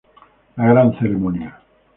La gran ceremonia.